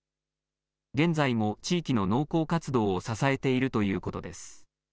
現在も地域の農耕活動を支えているということです。